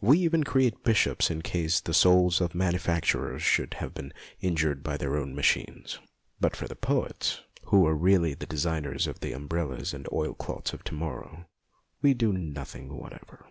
We even create Bishops in case the souls of manufacturers should have been injured by their own machines. But for 5 65 66 MONOLOGUES the poets, who are really the designers of the umbrellas and oil cloth of to morrow, we do nothing whatever.